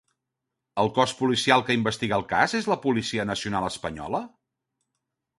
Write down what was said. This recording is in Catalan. El cos policial que investiga el cas és la Policia Nacional Espanyola?